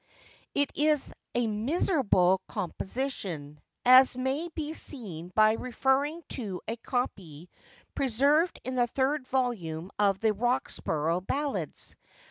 It is a miserable composition, as may be seen by referring to a copy preserved in the third volume of the Roxburgh Ballads.